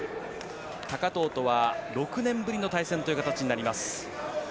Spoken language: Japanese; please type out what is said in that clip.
高藤とは６年ぶりの対戦という形になります。